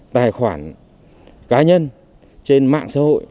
tài khoản cá nhân trên mạng xã hội